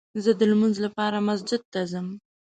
زه دلمونځ لپاره مسجد ته ځم